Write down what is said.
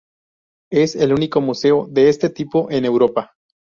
Es el único museo de este tipo en Europa.